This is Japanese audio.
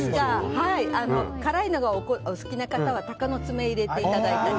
辛いのがお好きな方は鷹の爪を入れていただいても。